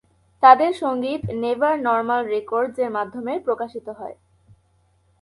তাদের সঙ্গীত "Never Normal Records" এর মাধ্যমে প্রকাশিত হয়।